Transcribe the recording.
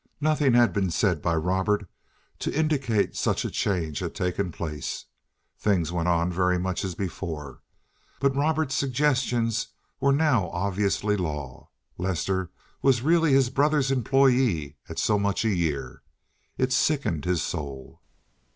Nothing had been said by Robert to indicate that such a change had taken place—things went on very much as before—but Robert's suggestions were now obviously law. Lester was really his brother's employee at so much a year. It sickened his soul.